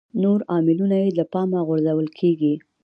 نور عاملونه یې له پامه غورځول کېږي.